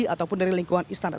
ataupun dari lingkungan istana